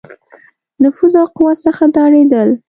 نفوذ او قوت څخه ډارېدل.